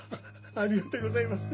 ありがとうございます